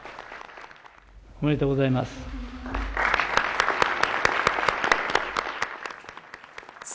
おめでとうございます。